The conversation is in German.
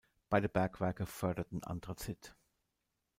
Beide Bergwerke förderten Anthrazit.